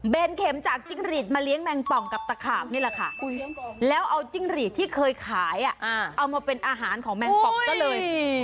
เป็นเข็มจากจิ้งหรีดมาเลี้ยงแมงป่องกับตะขาบนี่แหละค่ะแล้วเอาจิ้งหรีดที่เคยขายเอามาเป็นอาหารของแมงป่องซะเลย